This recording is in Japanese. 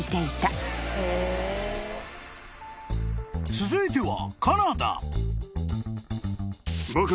［続いては］